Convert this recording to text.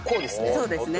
そうですね。